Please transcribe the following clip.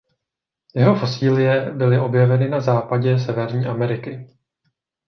Jeho fosilie byly objeveny na západě Severní Ameriky.